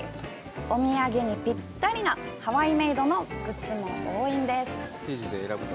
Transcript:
お土産にピッタリなハワイメイドのグッズも多いんです。